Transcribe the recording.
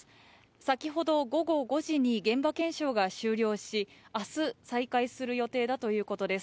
先ほど、午後５時に現場検証が終了し、明日、再開する予定だということです。